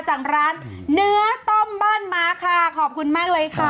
จากร้านเนื้อต้มบ้านม้าค่ะขอบคุณมากเลยค่ะ